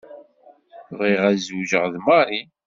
Bɣiɣ ad zewǧeɣ d Mary.